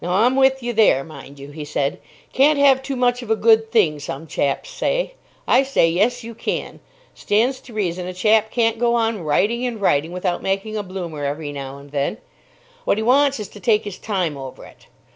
"Now, I'm with you there, mind you," he said. "'Can't have too much of a good thing,' some chaps say. I say, 'Yes, you can.' Stands to reason a chap can't go on writing and writing without making a bloomer every now and then. What he wants is to take his time over it.